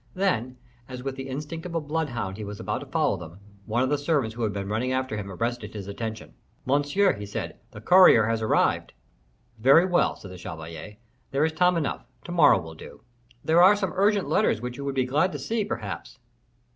Then, as with the instinct of a bloodhound he was about to follow them, one of the servants who had been running after him arrested his attention. "Monsieur," he said, "the courier has arrived." "Very well," said the chevalier, "there is time enough; to morrow will do." "There are some urgent letters which you would be glad to see, perhaps."